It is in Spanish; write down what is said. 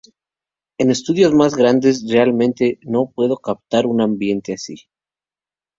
En estudios más grandes, realmente no puedo captar un ambiente así.